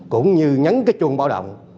cũng như nhấn chuông báo động